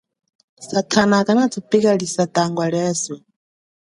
Satana kana tupikalisa tangwa lieswe.